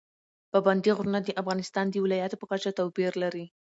پابندی غرونه د افغانستان د ولایاتو په کچه توپیر لري.